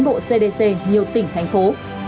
bộ cdc nhiều tỉnh thành phố